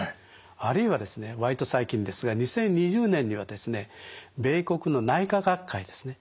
あるいはですね割と最近ですが２０２０年にはですね米国の内科学会ですね